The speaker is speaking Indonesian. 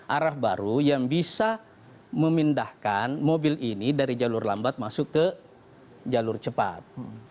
arah baru yang bisa memindahkan mobil ini dari jalur lambat masuk ke jalur cepat